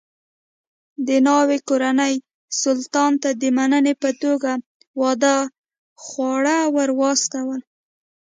د ناوې کورنۍ سلطان ته د مننې په توګه واده خواړه ور واستول.